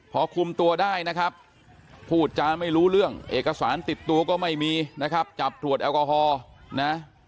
พอคุมตัวได้นะครับพูดจาไม่รู้เรื่องเอกสารติดตัวก็ไม่มีนะครับจับตรวจแอลกอฮอล์นะ